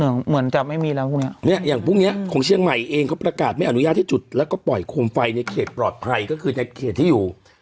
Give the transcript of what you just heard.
เหมือนจะไม่มีแล้วพรุ่งเนี้ยเนี้ยอย่างพรุ่งเนี้ยของเชียงใหม่เองเขาประกาศไม่อนุญาตให้จุดแล้วก็ปล่อยโคมไฟในเขตปลอดภัยก็คือในเขตที่อยู่